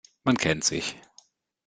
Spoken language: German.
Man kennt sich.